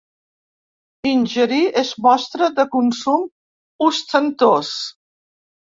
Ingerir és mostra de consum ostentós.